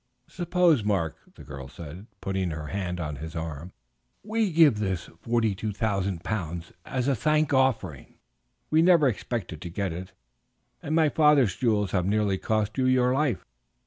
"Suppose, Mark," the girl said, putting her hand on his arm, "we give this 42,000 pounds as a thank offering. We never expected to get it, and my father's jewels have nearly cost you your life.